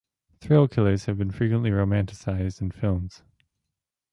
Thrill killers have been frequently romanticized in films.